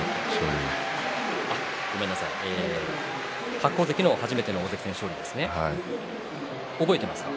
白鵬関の初めての大関戦勝利覚えていますか？